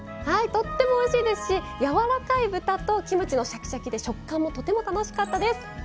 とってもおいしいですしやわらかい豚とキムチのシャキシャキで食感もとても楽しかったです。